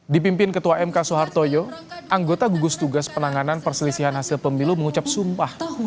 dipimpin ketua mk soehartoyo anggota gugus tugas penanganan perselisihan hasil pemilu mengucap sumpah